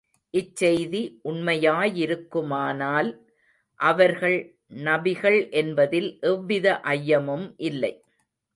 இச்செய்தி உண்மையாயிருக்குமானால், அவர்கள் நபிகள் என்பதில் எவ்வித ஐயமும் இல்லை.